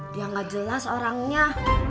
dia gak jelas orangnya